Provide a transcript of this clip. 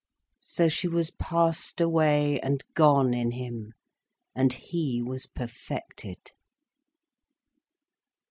So she was passed away and gone in him, and he was perfected.